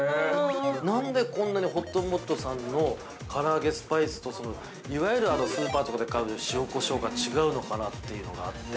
◆なんでこんなにほっともっとさんのから揚スパイスといわゆるスーパーとかで買う塩こしょうが違うのかなっていうのがあって。